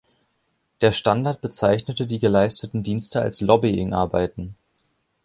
Der Standard bezeichnete die geleisteten Dienste als "Lobbying-Arbeiten".